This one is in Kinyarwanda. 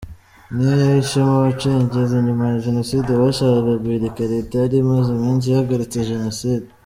Niyo yihishemo abacengezi nyuma ya Jenoside, bashakaga guhirika Leta yari imaze iminsi ihagaritse Jenoside.